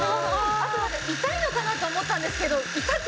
あとなんか痛いのかなと思ったんですけど。